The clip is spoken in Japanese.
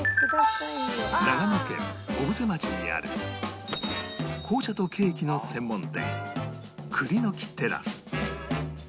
長野県小布施町にある紅茶とケーキの専門店栗の木テラス